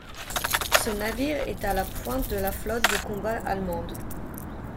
Ce navire est à la pointe de la flotte de combat allemande.